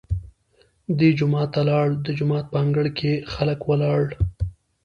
دی جومات ته لاړ، د جومات په انګړ کې خلک ولاړ.